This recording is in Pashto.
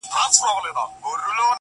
o سیاه پوسي ده، قندهار نه دی.